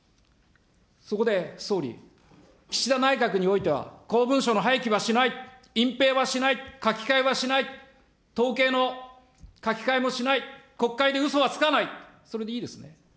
そこで総理、岸田内閣においては公文書の廃棄はしない、隠蔽はしない、書き換えはしない、統計の書き換えもしない、国会でうそはつかない、それでいいですね。